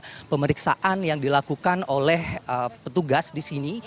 jadi ini adalah pemeriksaan yang dilakukan oleh petugas di sini